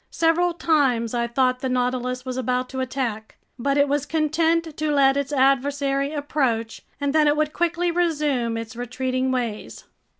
Several times I thought the Nautilus was about to attack. But it was content to let its adversary approach, and then it would quickly resume its retreating ways.